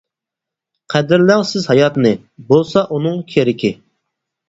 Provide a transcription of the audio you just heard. قەدىرلەڭ سىز ھاياتنى، بولسا ئۇنىڭ كىرىكى.